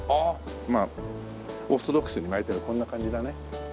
まあオーソドックスに巻いたらこんな感じだね。